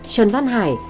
trần văn hải